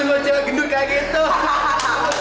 jangan lo jalan gendut kayak gitu